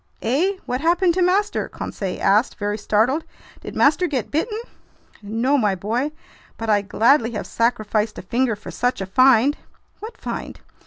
"Eh? What happened to master?" Conseil asked, very startled. "Did master get bitten?" "No, my boy, but I'd gladly have sacrificed a finger for such a find!" "What find?"